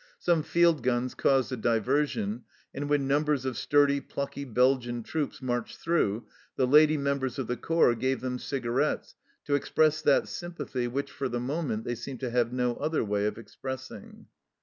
Some field guns caused a diversion, and when numbers of sturdy plucky Belgian troops marched through, the lady members of the corps gave them cigarettes to express that sympathy which for the moment they seemed to have no other way of expressing.